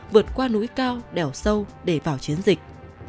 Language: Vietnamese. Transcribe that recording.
vượt qua núi cao đèo sâu để vào chiến dịch